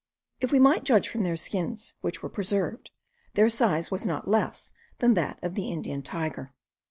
If we might judge from their skins, which were preserved, their size was not less than that of the Indian tiger.